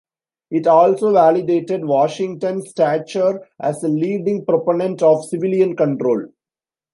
It also validated Washington's stature as a leading proponent of civilian control.